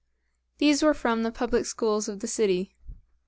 These were from the public schools of the city.